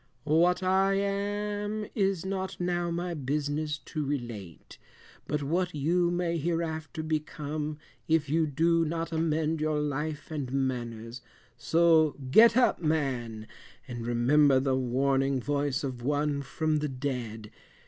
"What I am is not now my business to relate, but what you may hereafter become if you do not amend your life and manners; so get up man, and remember the warning voice of one from the dead.